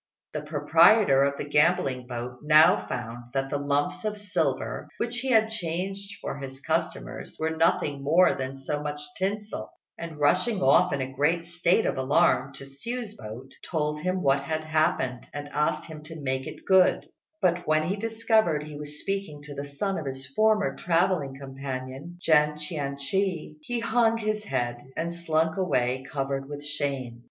The proprietor of the gambling boat now found that the lumps of silver which he had changed for his customers were nothing more than so much tinsel, and rushing off in a great state of alarm to Hsiu's boat, told him what had happened and asked him to make it good; but when he discovered he was speaking to the son of his former travelling companion, Jen Chien chih, he hung his head and slunk away covered with shame.